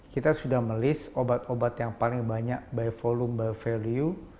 kita sudah melist obat obat yang paling banyak by volume by value